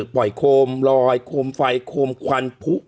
โคมลอยโคมไฟโคมควันผู้